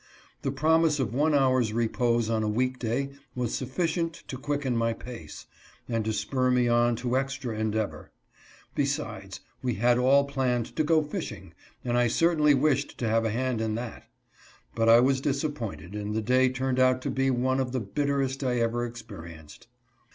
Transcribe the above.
The promise of one hour's repose on a week day was sufficient to quicken my pace, and to spur me on to extra endeavor. Besides, we had all planned to go fishing, and I certainly wished to have a hand in that. But I was disappointed, and the day turned out to be one of the bitterest I ever experienced.